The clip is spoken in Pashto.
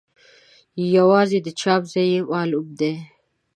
یوازې د چاپ ځای یې معلوم دی.